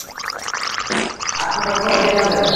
আপনার কোন ক্ষতি হবে না।